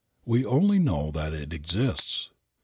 We only know that it exists.